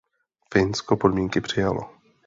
Finsko podmínky přijalo.